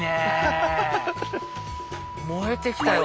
燃えてきたよ。